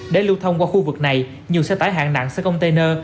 để lưu thông qua khu vực này nhiều xe tải hạng nặng xe container